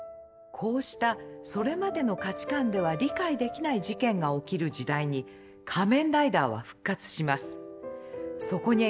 こうしたそれまでの価値観では理解できない事件が起きる時代に「仮面ライダー」は復活します。